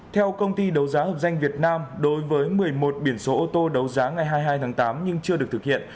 theo công ty đấu giá hợp danh việt nam đối với một mươi một biển số ô tô đấu giá ngày hai mươi hai tháng tám nhưng chưa được thực hiện